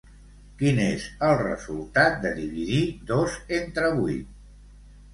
Quin és el resultat de dividir dos entre vuit?